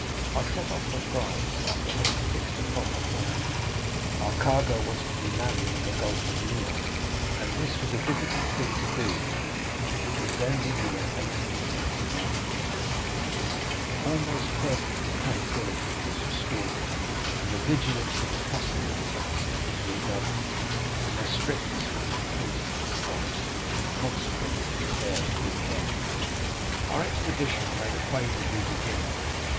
I set off for France, after having fixed upon the plan. Our cargo was to be landed in the Gulf of Lyons, and this was a difficult thing to do because it was then the year 1829. The most perfect tranquillity was restored, and the vigilance of the custom house officers was redoubled, and their strictness was increased at this time, in consequence of the fair at Beaucaire. 20301m "Our expedition made a favorable beginning.